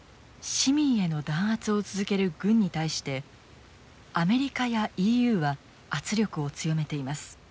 市民への弾圧を続ける軍に対してアメリカやＥＵは圧力を強めています。